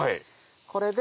これで。